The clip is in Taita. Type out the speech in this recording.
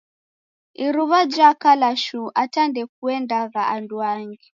Iruw'a jakala shuu ata ndekuendagha anduangi